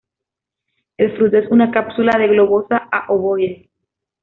El fruto es una cápsula de globosa a ovoide.